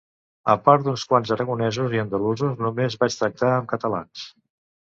A part d'uns quants aragonesos i andalusos, només vaig tractar amb catalans